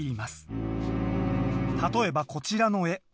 例えばこちらの絵。